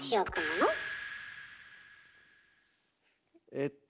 えっと。